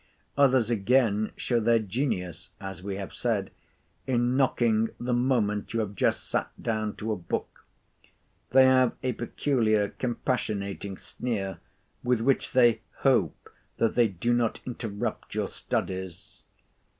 Others again show their genius, as we have said, in knocking the moment you have just sat down to a book. They have a peculiar compassionating sneer, with which they "hope that they do not interrupt your studies."